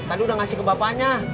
tadi udah ngasih ke bapaknya